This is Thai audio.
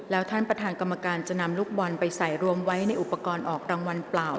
แล้วท่านประธานกรรมการจะนำลูกบอลไปใส่รวมไว้ในอุปกรณ์ออกรางวัลเปล่า